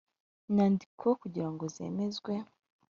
nyandiko kugira ngo zemezwe